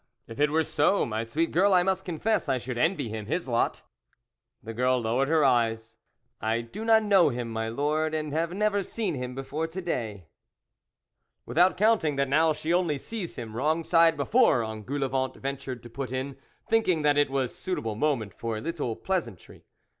If it were so, my sweet girl, I must confess I should envy him his lot." The girl lowered her eyes. " I do not know him, my Lord, and have never seen him before to day." " Without counting that now she only sees him wrong side before " Engoulevent ventured to put in, thinking that it was a suitable moment for a little pleasantry.